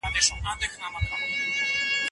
ډیری ځوانان د نښو نښانو پیژندنه نه لري.